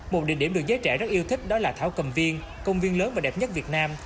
một địa điểm được giới trẻ rất yêu thích đó là thảo cầm viên công viên lớn và đẹp nhất việt nam